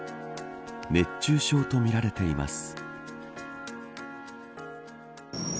熱中症とみられています。